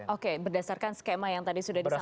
oke berdasarkan skema yang tadi sudah disampaikan